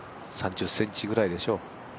３０ｃｍくらいでしょう。